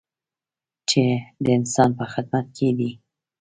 چې د انسان په خدمت کې دی.